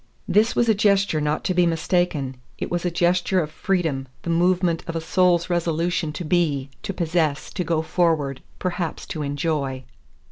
This was a gesture not to be mistaken: it was a gesture of freedom, the movement of a soul's resolution to be, to possess, to go forward, perhaps to enjoy.